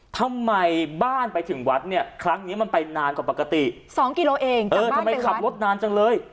ทำไมบ้านไปถึงวัดเนี่ยครั้งนี้มันไปนานกว่าปกติสองกิโลเองเออทำไมขับรถนานจังเลย